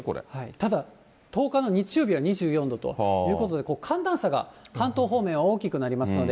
ただ、１０日の日曜日は２４度ということで、寒暖差が関東方面は大きくなりますので、